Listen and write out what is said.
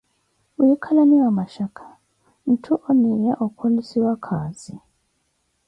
wiikalaniwa mashakha, nthu oniiya okolosiwa khaazi.